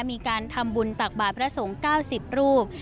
มีการทำบุญตักบาทพระสงฆ์๙๐รูป